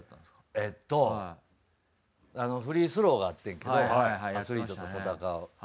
えっとフリースローがあってんけどアスリートと戦う。